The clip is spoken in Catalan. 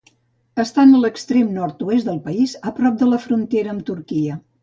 Està en l'extrem nord-oest del país, a prop de la frontera amb Turquia.